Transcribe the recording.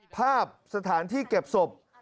ภาพสถานที่เก็บศพ